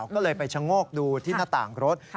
ก็เลยไปชะโงกดูที่หน้าต่างรถ